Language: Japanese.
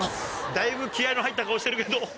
だいぶ気合の入った顔してるけど。